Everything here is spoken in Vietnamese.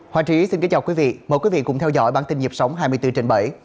hoàng trí xin kính chào quý vị mời quý vị cùng theo dõi bản tin nhịp sống hai mươi bốn trên bảy